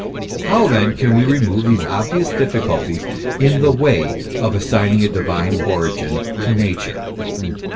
How then can we remove these obvious difficulties in the way of assigning a divine origin to Nature